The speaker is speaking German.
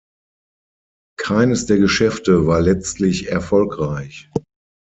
Keines der Geschäfte war letztlich erfolgreich.